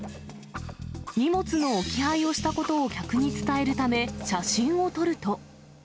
荷物の置き配をしたことを客に伝えるため写真を撮ると。